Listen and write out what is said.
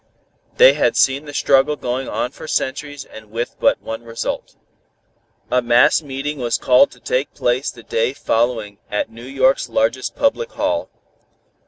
They had seen the struggle going on for centuries and with but one result. A mass meeting was called to take place the day following at New York's largest public hall.